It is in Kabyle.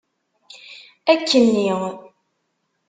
Akkenni!